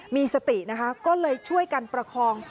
มีสตินะคะก็เลยช่วยกันประคอง